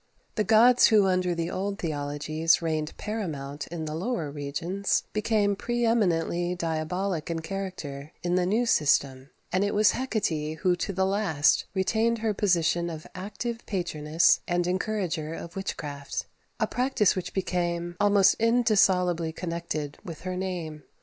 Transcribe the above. The gods who under the old theologies reigned paramount in the lower regions became pre eminently diabolic in character in the new system, and it was Hecate who to the last retained her position of active patroness and encourager of witchcraft; a practice which became almost indissolubly connected with her name.